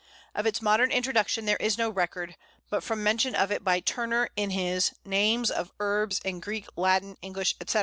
Of its modern introduction there is no record, but from mention of it by Turner in his "Names of Herbes in Greke, Latin, Englishe, etc.